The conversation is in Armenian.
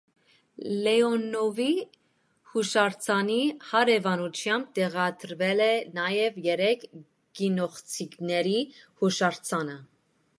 Լեոնովի հուշարձանի հարևանությամբ տեղադրվել է նաև երեք կինոխցիկների հուշարձանը։